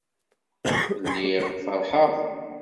Lliɣ feṛḥeɣ.